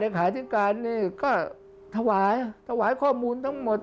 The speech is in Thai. สำนักราชไตเธอขาถิกัดก็ถวายถวายข้อมูลทั้งหมด